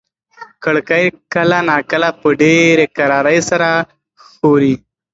کړکۍ کله ناکله په ډېرې کرارۍ سره ښوري.